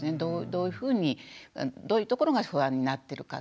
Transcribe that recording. どういうふうにどういうところが不安になってるかっていう。